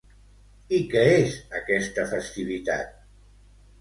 I què és aquesta festivitat?